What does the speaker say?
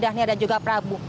dan ini ada juga perabu